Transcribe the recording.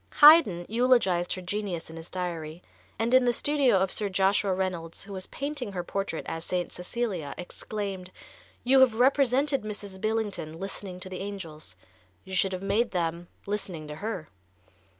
Haydn eulogized her genius in his diary, and in the studio of Sir Joshua Reynolds, who was painting her portrait as St. Cecilia, exclaimed: "You have represented Mrs. Billington listening to the angels, you should have made them listening to her."